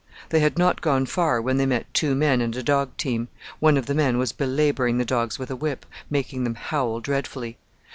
They had not gone far when they met two men and a dog team; one of the men was belabouring the dogs with a whip, making them howl dreadfully.